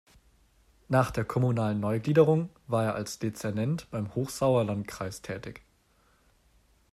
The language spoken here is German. Nach der kommunalen Neugliederung war er als Dezernent beim Hochsauerlandkreis tätig.